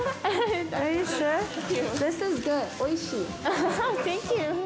おいしい。